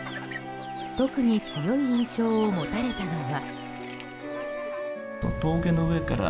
特に強い印象を持たれたのは。